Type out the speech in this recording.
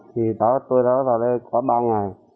thì tôi đã vào đây có ba ngày